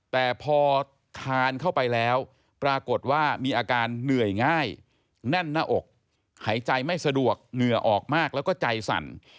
แต่พอทานเข้าไปแล้วปรากฏว่ามีอาการเหนื่อยง่ายแน่นหน้าอกหายใจไม่สะดวกเหงื่อออกมากแล้วก็ใจสั่น